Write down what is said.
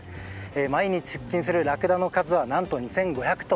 毎日出勤するラクダの数は２５００頭。